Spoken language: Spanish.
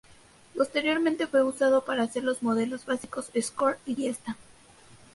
Posteriormente fue usado para hacer los modelos básicos Escort y Fiesta.